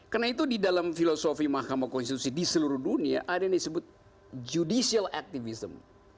karena itu di dalam filosofi mahkamah konstitusi di seluruh dunia ada yang disebut judicial activism